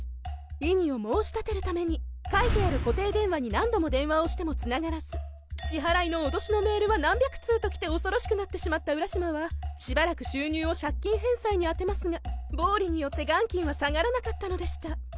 異議を申し立てるために書いてある固定電話に何度も電話をしても繋がらず支払いの脅しのメールは何百通と来て恐ろしくなってしまった浦島はしばらく収入を借金返済に当てますが暴利によって元金は下がらなかったのでした